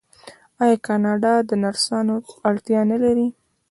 آیا کاناډا د نرسانو اړتیا نلري؟